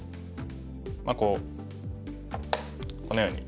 まあこうこのように。